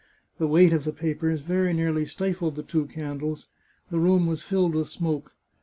The weight of the papers very nearly stifled the two candles ; the room was filled with smoke.